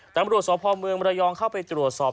ต่างประโยชน์สภพเมืองมรยองเข้าไปตรวจสอบ